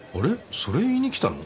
それ言いに来たの？